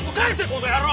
この野郎！